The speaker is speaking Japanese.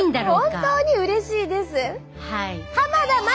本当にうれしいです。